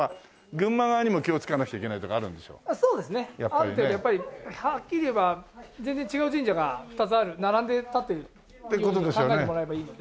ある程度やっぱりはっきり言えば全然違う神社が２つ並んで立ってるというふうに考えてもらえばいいので。